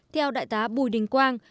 theo đại tá bùi đình quang